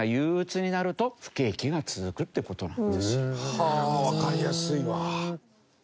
はあわかりやすいわ。